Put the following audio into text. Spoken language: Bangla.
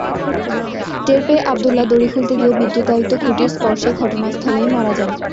টের পেয়ে আবদুল্যাহ দড়ি খুলতে গিয়ে বিদ্যুতায়িত খুঁটির স্পর্শে ঘটনাস্থলেই মারা যান।